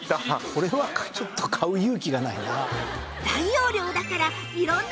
これはちょっと買う勇気がないな。